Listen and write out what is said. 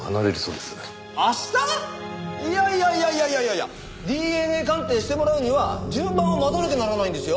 いやいやいやいやいやいやいやＤＮＡ鑑定してもらうには順番を待たなきゃならないんですよ。